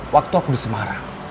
waktu aku di semarang